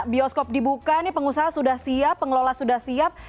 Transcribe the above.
bioskop dibuka nih pengusaha sudah siap pengelola sudah siap